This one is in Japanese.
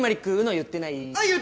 言ってない！